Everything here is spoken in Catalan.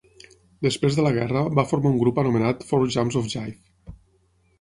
Després de la guerra, va formar un grup anomenat Four Jumps of Jive.